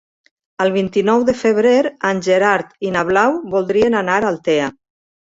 El vint-i-nou de febrer en Gerard i na Blau voldrien anar a Altea.